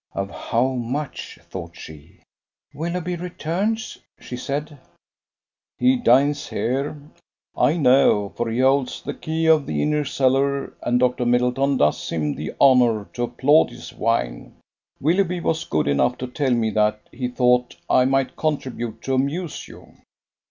Of how much? thought she. "Willoughby returns?" she said. "He dines here, I know; for he holds the key of the inner cellar, and Doctor Middleton does him the honour to applaud his wine. Willoughby was good enough to tell me that he thought I might contribute to amuse you."